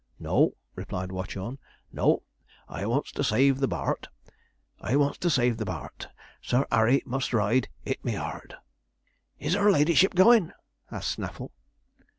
'No,' replied Watchorn, 'no; I wants to save the Bart. I wants to save the Bart. Sir 'Arry must ride 'It me 'ard.' 'Is her ladyship going?' asked Snaffle.